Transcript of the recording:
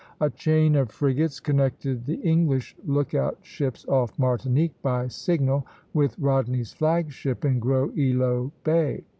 A chain of frigates connected the English lookout ships off Martinique, by signal, with Rodney's flag ship in Gros Ilot Bay.